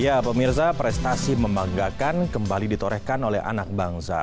ya pemirsa prestasi membanggakan kembali ditorehkan oleh anak bangsa